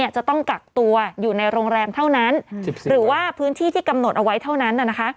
จะต้องกักตัวอยู่ในโรงแรมเท่านั้นหรือว่าพื้นที่ที่กำหนดเอาไว้เท่านั้น